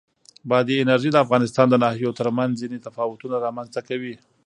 بادي انرژي د افغانستان د ناحیو ترمنځ ځینې تفاوتونه رامنځ ته کوي.